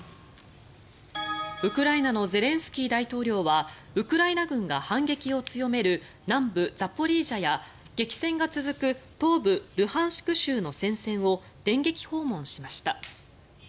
ウクライナのゼレンスキー大統領はウクライナ軍が反撃を強める南部ザポリージャや激戦が続く東部ルハンシク州の戦線を電撃訪問しました。